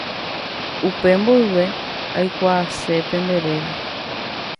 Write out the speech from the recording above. Upe mboyve aikuaase pende réra